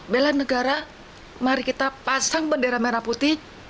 bela negara mari kita pasang bendera merah putih